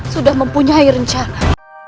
sudah mempunyai rencana